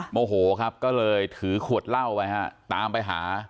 โมโหครับก็เลยถือขวดเหล้าไปฮะตามไปหา